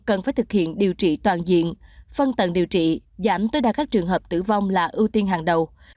cần phải thực hiện điều trị toàn diện phân tầng điều trị giảm tối đa các trường hợp tử vong là ưu tiên hàng đầu